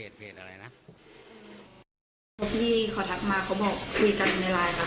อืมเพจอะไรนะพี่ขอทักมาเขาบอกคุยกันในไลน์แล้ว